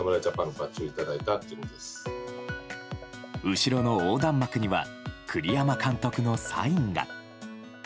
後ろの横断幕には栗山監督のサインが。